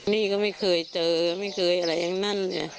นี่ก็ไม่เคยเจอไม่เคยอะไรทั้งนั้น